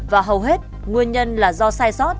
và hầu hết nguyên nhân là do sai sót